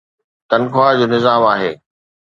تنخواه جو نظام آهي.